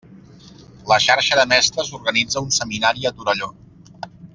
La xarxa de mestres organitza un seminari a Torelló.